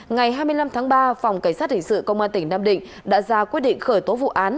ngày hai mươi năm tháng ba phòng cảnh sát hình sự công an tỉnh nam định đã ra quyết định khởi tố vụ án